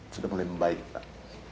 sudah mulai membaik pak